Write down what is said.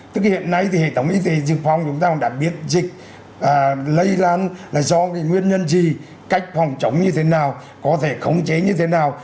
tức hiện nay thì hệ thống y tế dự phòng chúng ta cũng đã biết dịch lây lan là do cái nguyên nhân gì cách phòng chống như thế nào có thể khống chế như thế nào